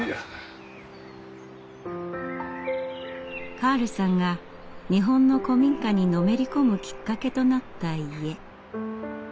カールさんが日本の古民家にのめり込むきっかけとなった家。